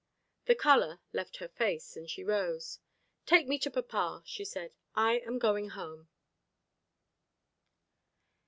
The colour left her face, and she rose. "Take me to papa," she said; "I am going home."